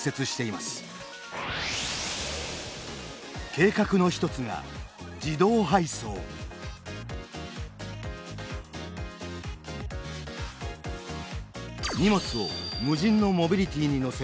計画の一つが荷物を無人のモビリティに載せ